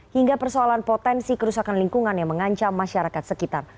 hingga persoalan potensi kerusakan lingkungan yang mengancam masyarakat sekitar